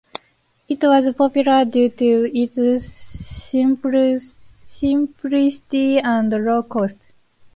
It was popular due to its simplicity and low cost.